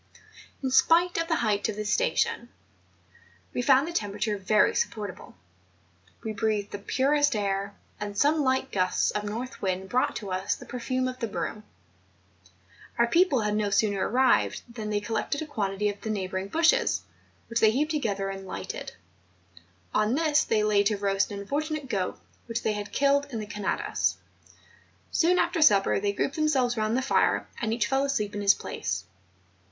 In spite of the height of this station, we found the temperature very supportable; we breathed the purest air, and some liglit gusts of north wind brought to us the perfume of the broom. Our people had no sooner arrived than they collected a quantity of the neighbouring bushes, which they heaped together and lighted. On this they laid to roast an unfortunate goat, which they had killed in the Canadas. Soon after supper they grouped themselves round the fire; and each fell asleep in his place.